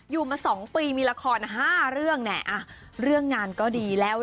อยู่มาสองปีมีละครห้าเรื่องแน่อ่ะเรื่องงานก็ดีแล้ว